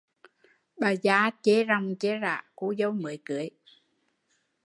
Bà gia chê ròng chê rã cô dâu mới cưới